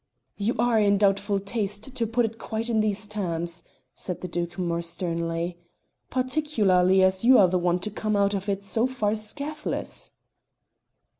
"You are in doubtful taste to put it quite in these terms," said the Duke more sternly, "particularly as you are the one to come out of it so far scathless."